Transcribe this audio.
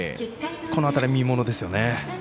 この辺りが見ものですよね。